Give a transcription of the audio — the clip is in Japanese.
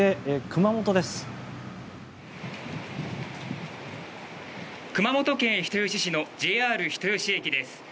熊本県人吉市のＪＲ人吉駅です。